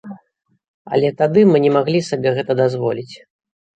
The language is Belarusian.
Але тады мы не маглі сабе гэта дазволіць.